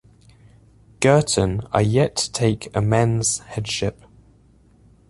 Girton are yet to take a men's headship.